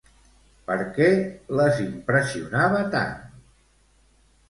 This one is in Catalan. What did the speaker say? Per què les impressionava tant?